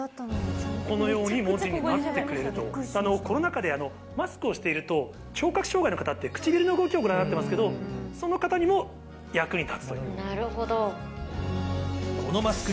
このように文字になってくれコロナ禍でマスクをしていると、聴覚障がいの方って、唇の動きをご覧になっていますけど、そんななるほど。